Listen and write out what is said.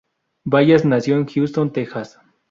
Ballas nació en Houston, Texas.